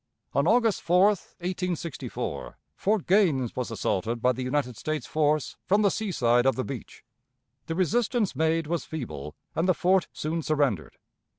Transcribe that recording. On August 4, 1864, Fort Gaines was assaulted by the United States force from the sea side of the beach. The resistance made was feeble, and the fort soon surrendered.